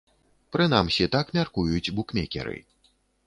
Прынамсі, так мяркуюць букмекеры.